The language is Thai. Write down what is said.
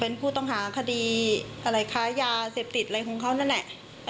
เป็นผู้ต้องหาคดีอะไรค้ายาเสพติดอะไรของเขานั่นแหละ